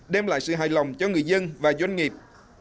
đem lại sự hài lòng cho người dân và doanh nghiệp